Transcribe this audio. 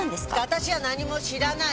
私は何も知らない！